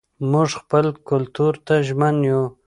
موږ خپل کلتور ته ژمن یو.